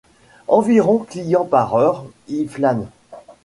Environ clients par heure y flânent.